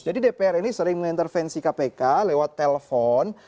jadi dpr ini sering mengintervensi kpk lewat telepon